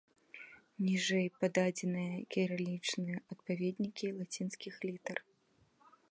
Ніжэй пададзеныя кірылічныя адпаведнікі лацінскіх літар.